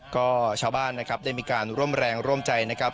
ก็ชาวบ้านนะครับได้มีการร่วมแรงร่วมใจนะครับ